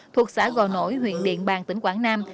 thuộc xã gò nổi huyện điện bàn tỉnh quảng nam